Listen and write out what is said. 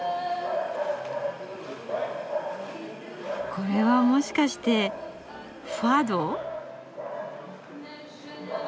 ・これはもしかして・ファド？